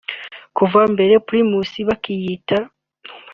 Kuva mbere Primus bakiyita